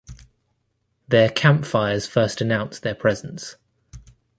Their campfires first announced their presence.